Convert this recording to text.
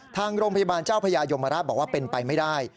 ทางโรงพยาบาลเจ้าพญายมราชบอกว่าเป็นไปไม่ได้